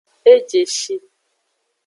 Ejeshi.